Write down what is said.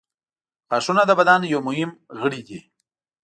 • غاښونه د بدن یو مهم غړی دی.